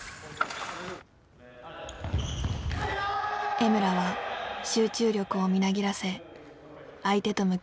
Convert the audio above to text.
江村は集中力をみなぎらせ相手と向き合う。